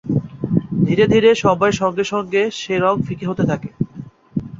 ধীরে ধীরে সময়ের সঙ্গে সঙ্গে সে রং ফিকে হতে থাকে।